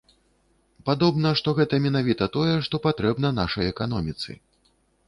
Падобна, што гэта менавіта тое, што патрэбна нашай эканоміцы.